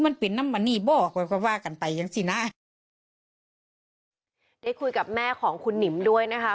ได้คุยกับแม่ของคุณนิมด้วยนะคะ